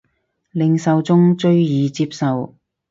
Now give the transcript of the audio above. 令受眾最易接受